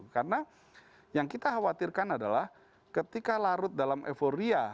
karena yang kita khawatirkan adalah ketika larut dalam euforia